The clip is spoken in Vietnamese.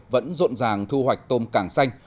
vẫn rộn ràng thu hoạch tôm càng xanh